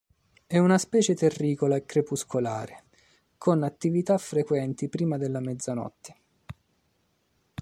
È una specie terricola e crepuscolare, con attività frequenti prima della mezzanotte.